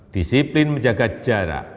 disiplin menjaga jarak